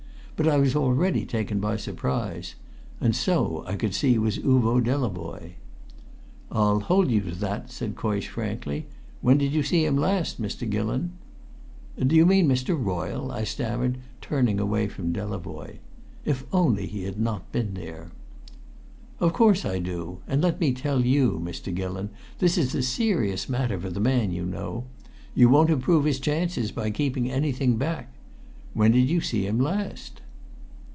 But I was already taken by surprise. And so, I could see, was Uvo Delavoye. "I'll hold you to that," said Coysh frankly. "When did you see him last, Mr. Gillon?" "Do you mean Mr. Royle?" I stammered, turning away from Delavoye. If only he had not been there! "Of course I do; and let me tell you, Mr. Gillon, this is a serious matter for the man, you know. You won't improve his chances by keeping anything back. When did you see him last?"